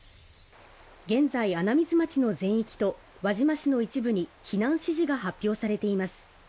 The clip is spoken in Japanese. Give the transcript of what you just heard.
現在穴水町の全域と輪島市の一部に避難指示が発表されています